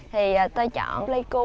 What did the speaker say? thì tôi chọn lê cô